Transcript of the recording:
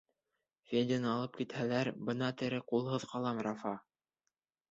— Федяны алып китһәләр, бына тере ҡулһыҙ ҡалам, Рафа.